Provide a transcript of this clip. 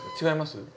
違います？